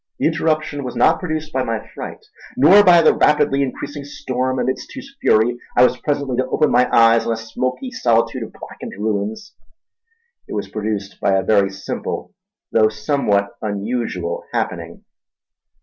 The interruption was not produced by my fright, nor by the rapidly increasing storm amidst whose fury I was presently to open my eyes on a smoky solitude of blackened ruins. It was produced by a very simple though somewhat unusual happening.